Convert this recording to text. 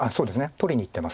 取りにいってます